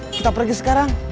kita pergi sekarang